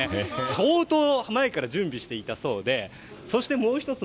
相当前から準備していたそうでそして、もう１つ。